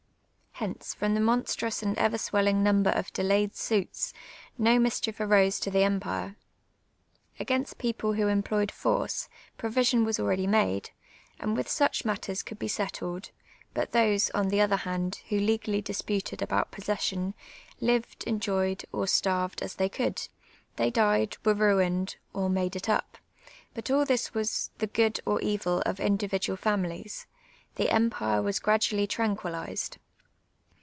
Hence, from the monstrous and ever swelling number of delayed suits, no mischief arose to the emjiire. Against j)eople who employed force, provision was already made, and with such matters could be settled ; but those, on the other hand, who legally disputed about ])osses sion. lived, enjoyed, or starved, as they could ; they died, were ruined, or made it up ; but all this was the good or evil of individual families. — the empire was gradually trancpiillised.